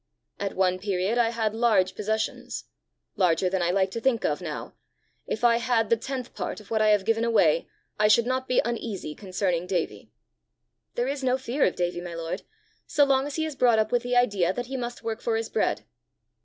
At one period I had large possessions larger than I like to think of now: if I had the tenth part of what I have given away, I should not be uneasy concerning Davie." "There is no fear of Davie, my lord, so long as he is brought up with the idea that he must work for his bread."